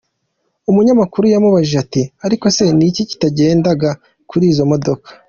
Umunyamakuru yamubajije ati: "Ariko se ni iki kitagendaga kuri izo modoka ?".